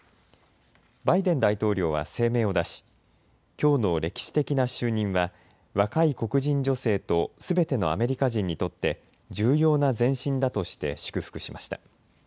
バイデン大統領は声明を出しきょうの歴史的な就任は若い黒人女性とすべてのアメリカ人にとって重要な前進だとして祝福しました。